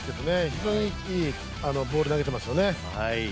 非常にいいボールを投げてますよね。